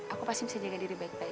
aku pasti bisa jaga diri baik baik